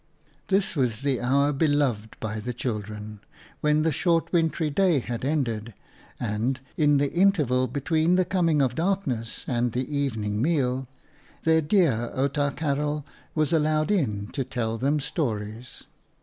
This was the hour beloved by the children, when the short wintry day had ended, and, in the interval between the coming of dark ness and the evening meal, their dear Outa Karel was allowed in to tell them stories.